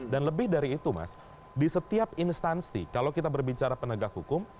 dan lebih dari itu mas di setiap instansi kalau kita berbicara penegak hukum